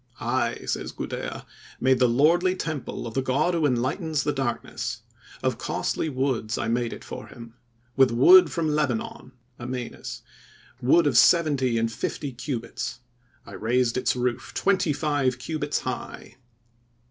"I," says Gudea, "made the lordly temple of the God who enlightens the darkness; of costly woods I made it for him; with wood from Lebanon (Amanus); wood of seventy and fifty cubits. I raised its roof twenty five cubits high."